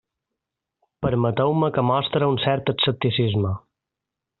Permeteu-me que mostre un cert escepticisme.